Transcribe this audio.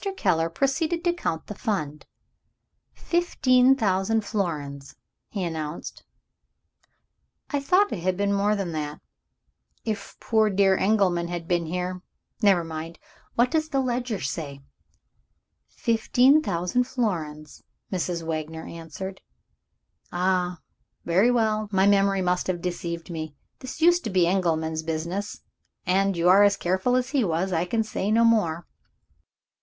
Keller proceeded to count the Fund. "Fifteen thousand florins," he announced. "I thought it had been more than that. If poor dear Engelman had been here Never mind! What does the ledger say?" "Fifteen thousand florins," Mrs. Wagner answered. "Ah, very well, my memory must have deceived me. This used to be Engelman's business; and you are as careful as he was I can say no more." Mr.